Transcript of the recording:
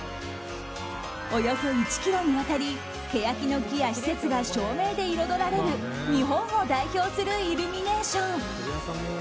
およそ１ｋｍにわたりケヤキの木や施設が照明で彩られる日本を代表するイルミネーション。